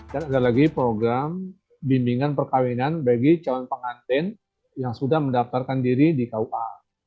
ada lagi program bimbingan perkawinan bagi calon pengantin yang sudah mendaftarkan diri di kua